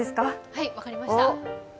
はい、分かりました。